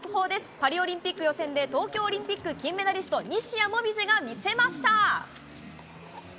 パリオリンピック予選で東京オリンピック金メダリスト、西矢椛が見せました。